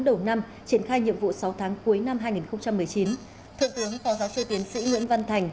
đầu năm triển khai nhiệm vụ sáu tháng cuối năm hai nghìn một mươi chín thượng tướng phó giáo sư tiến sĩ nguyễn văn thành